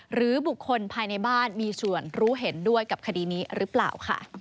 หรือบุคคลภายในบ้านมีส่วนรู้เห็นด้วยกับคดีนี้หรือเปล่าค่ะ